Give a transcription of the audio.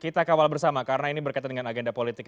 kita kawal bersama karena ini berkaitan dengan agenda politik